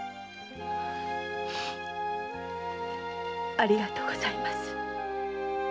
ありがとうございます。